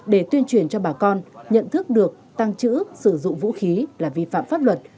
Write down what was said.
để tuyên truyền cho bà con nhận thức được tăng trữ sử dụng vũ khí là vi phạm pháp luật